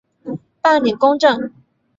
办理公证